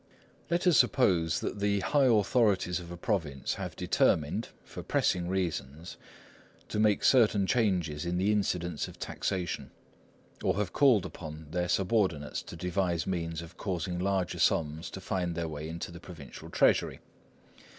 Let us suppose that the high authorities of a province have determined, for pressing reasons, to make certain changes in the incidence of taxation, or have called upon their subordinates to devise means for causing larger sums to find their way into the provincial treasury.